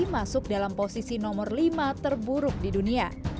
masuk dalam posisi nomor lima terburuk di dunia